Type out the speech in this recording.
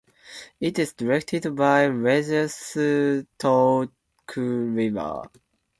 It is directed by Rajesh Touchriver.